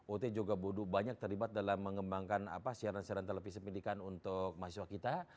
ut juga banyak terlibat dalam mengembangkan siaran siaran televisi pendidikan untuk mahasiswa kita